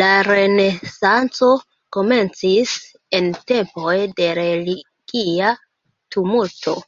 La Renesanco komencis en tempoj de religia tumulto.